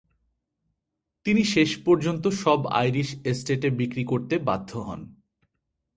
তিনি শেষ পর্যন্ত সব আইরিশ এস্টেটে বিক্রি করতে বাধ্য হন।